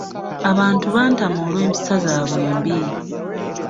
Abantu bantama olw'empisa zaabwe embi.